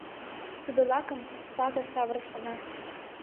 Тудо лакым «клатыш» савырышна.